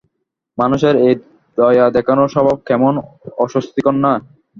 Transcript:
মানুষের এই দয়া দেখানোর স্বভাব কেমন অস্বস্তিকর না?